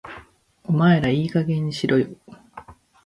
お前らいい加減にしろよ